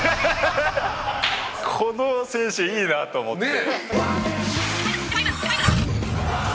この選手いいな！と思って。